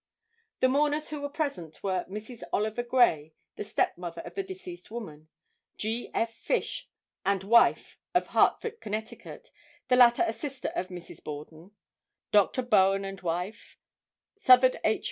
The mourners who were present were Mrs. Oliver Gray, the step mother of the deceased woman; G. F. Fish and wife of Hartford, Ct., the latter a sister of Mrs. Borden; Dr. Bowen and wife, Southard H.